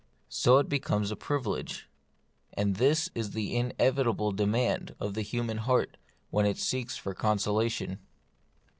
So it becomes a privilege. And this is the inevitable demand of the human heart when it seeks for consolation.